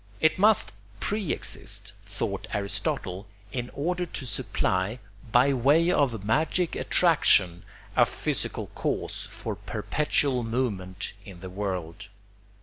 It must pre exist, thought Aristotle, in order to supply, by way of magic attraction, a physical cause for perpetual movement in the world.